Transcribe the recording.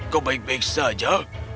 kau baik baik saja